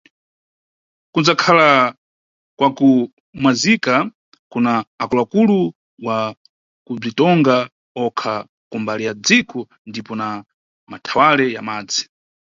Kandzakhala kakumwazika kuna akulu-akulu wa kubzitonga okha kumbali ya dziko ndipo na mathawale ya madzi.